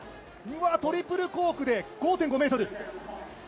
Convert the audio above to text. トリプルコークで５．５ｍ。